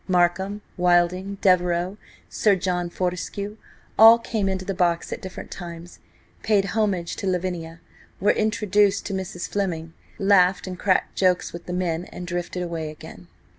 Markham, Wilding, Devereux, Sir John Fortescue–all came into the box at different times, paid homage to Lavinia, were introduced to Mrs. Fleming, laughed and cracked jokes with the men, and drifted away again.